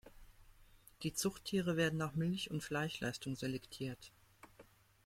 Die Zuchttiere werden nach Milch und Fleischleistung selektiert.